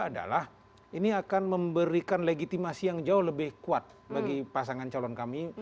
adalah ini akan memberikan legitimasi yang jauh lebih kuat bagi pasangan calon kami